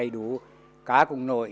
đủ cá cùng nội